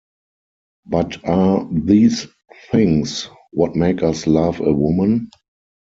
But are these things what make us love a woman?